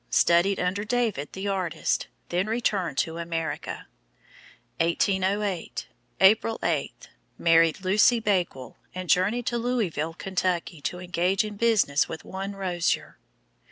Studied under David, the artist. Then returned to America. 1808 April 8. Married Lucy Bakewell, and journeyed to Louisville, Kentucky, to engage in business with one Rozier.